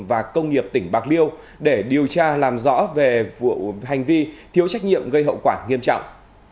và công nghiệp tỉnh bạc liêu để điều tra làm rõ về hành vi thiếu trách nhiệm gây hậu quả nghiêm trọng